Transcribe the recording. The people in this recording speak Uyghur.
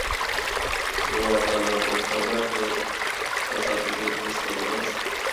بۇ ۋەقەلەردىن قانداق بىر تاسادىپىيلىقنى ھېس قىلدىڭىز؟